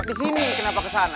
kesini kenapa kesana